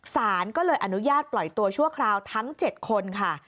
สารก็เลยอนุญาตปล่อยตัวชั่วคราวทั้ง๗คนค่ะ